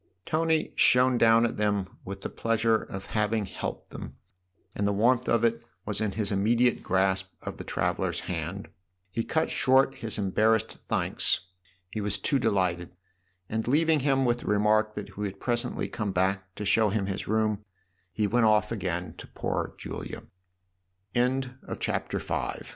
Tony shone down at them with the pleasure of having helped them, THE OTHER HOUSE 39 and the warmth of it was in his immediate grasp of the traveller's hand. He cut short his em barrassed thanks he was too delighted ; and leav ing him with the remark that he would presently come back to show him his room, he went off again